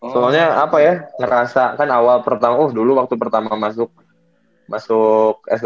soalnya apa ya ngerasa kan awal pertama oh dulu waktu pertama masuk